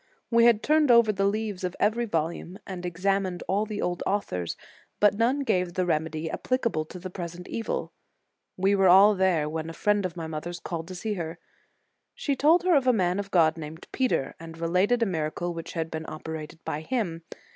We had turned over the leaves of every volume, and examined all the old authors, but none gave the remedy applicable to the present evil. We were all there, when a friend of my mother s called to see her. She told her of a man of God, named Peter, and related a miracle which had been operated by him.